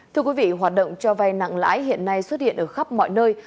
thưa quý vị hoạt động cho vay nặng lãi hiện nay xuất hiện ở khắp mọi nơi